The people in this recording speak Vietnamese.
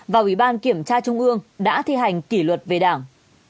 và ubnd đã thi hành kỷ luật về đảng